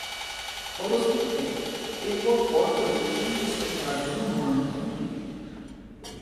ফলশ্রুতিতে এর পরপরই তিন টেস্টে খেলার জন্যে মনোনীত হন তিনি।